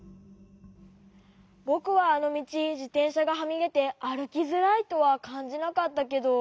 ぼくはあのみちじてんしゃがはみでてあるきづらいとはかんじなかったけど。